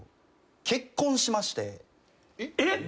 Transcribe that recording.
結婚しまして。